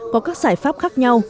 có các giải pháp khác nhau